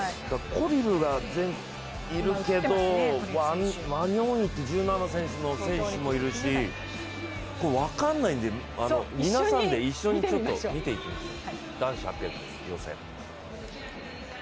コリルがいるけどワニョンイっていう１７歳の選手もいるし分かんないんで皆さんで一緒に見ていきましょう。